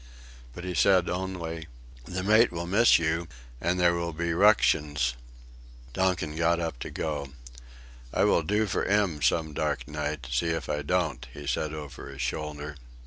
But he said only: "The mate will miss you and there will be ructions." Donkin got up to go. "I will do for 'im some dark night; see if I don't," he said over his shoulder.